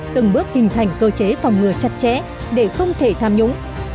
từng bước hình thành cơ chế phòng ngừa chặt chẽ để không thể tham nhũng